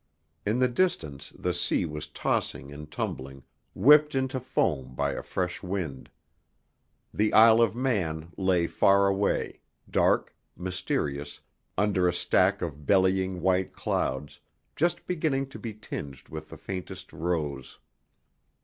In the distance the sea was tossing and tumbling, whipped into foam by a fresh wind. The Isle of Man lay far away, dark, mysterious, under a stack of bellying white clouds, just beginning to be tinged with the faintest rose.